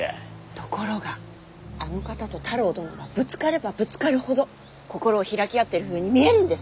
ところがあの方と太郎殿はぶつかればぶつかるほど心を開き合ってるふうに見えるんです